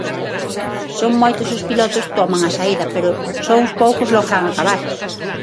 Son moitos os pilotos toman a saída, pero só uns poucos logran acabar.